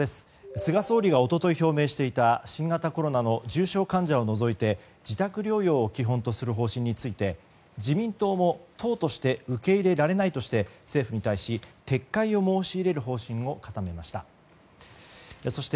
菅総理が一昨日表明していた新型コロナの重症患者を除いて自宅療養を基本とする方針について自民党も党として受け入れられないとして政府に対し、撤回を申し入れる方針を固めました。